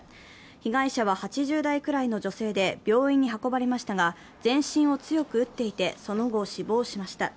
被害者は８０代くらいの女性で病院に運ばれましたが全身を強く打っていてその後、死亡しました。